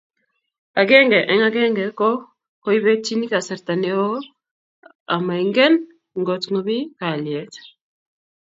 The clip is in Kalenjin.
Akenge eng akenge ko koibetyini kasarta neo oo ao mengen ngot komii kalyee.